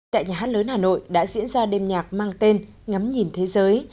tại nhà hát lớn hà nội đã diễn ra đêm nhạc mang tên ngắm nhìn thế giới